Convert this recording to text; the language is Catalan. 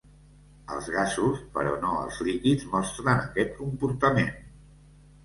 Els gasos, però no els líquids, mostren aquest comportament.